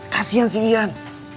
kasian si ian